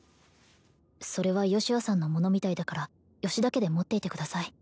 それはヨシュアさんの物みたいだから吉田家で持っていてください